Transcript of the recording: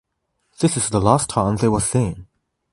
This is the last time they were seen.